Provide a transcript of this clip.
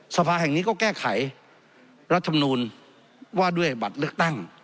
สภาแห่งนี้ก็แก้ไขรัฐมนูลว่าด้วยบัตรเลือกตั้ง